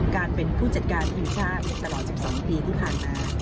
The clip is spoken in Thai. การเป็นผู้จัดการทีมชาติตลอด๑๒ปีที่ผ่านมา